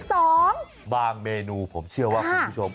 สองบางเมนูผมเชื่อว่าคุณผู้ชม